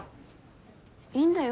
いいんだよ？